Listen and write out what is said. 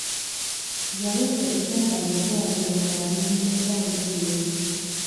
Yaweebwa ekitanda mu ddwaliro ng'ali mu mbeera mbi nnyo.